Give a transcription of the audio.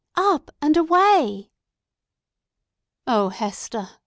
Up, and away!" "Oh, Hester!"